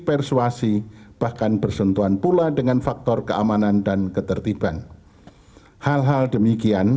persuasi bahkan bersentuhan pula dengan faktor keamanan dan ketertiban hal hal demikian